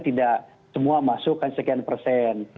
tidak semua masukkan sekian persen